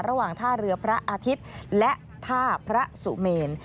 ระหว่างท่าเรือพระอาทิตย์และท่าพระสุเมน